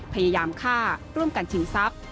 พยายามฆ่าร่วมกันชิงทรัพย์